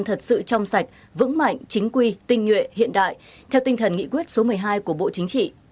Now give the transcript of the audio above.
thật sự trong sạch vững mạnh chính quy tinh nhuệ hiện đại theo tinh thần nghị quyết số một mươi hai của bộ chính trị